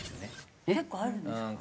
結構あるんですか？